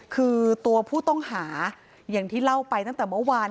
คือตัวผู้ต้องหาอย่างที่เล่าไปตั้งแต่เมื่อวาน